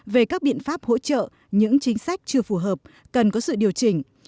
về các biện pháp hỗ trợ những chính sách chưa phù hợp cần có sự điều chỉnh